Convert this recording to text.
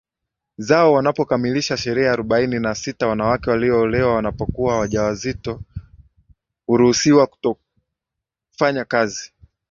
zao wanapokamilisha sherehe Arobaini na sita Wanawake walioolewa wanapokuwa waja wazito huruhusiwa kutofanya kazi